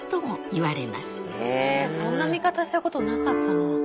へえそんな見方したことなかったな。